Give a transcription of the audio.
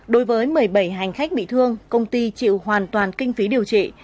đối với một mươi bảy hành khách bị thương công ty chịu hoàn toàn kinh phí điều trị